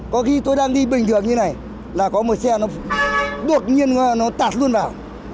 có khi tôi đang đi bình thường như này là có một xe nó đột nhiên nó tạt luôn vào